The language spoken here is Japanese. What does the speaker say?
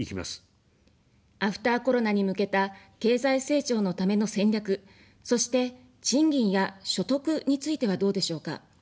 アフターコロナに向けた経済成長のための戦略、そして、賃金や所得についてはどうでしょうか。